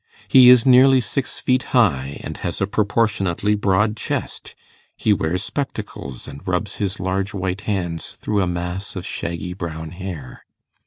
He is nearly six feet high, and has a proportionately broad chest; he wears spectacles, and rubs his large white hands through a mass of shaggy brown hair.